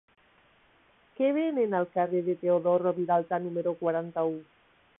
Què venen al carrer de Teodor Roviralta número quaranta-u?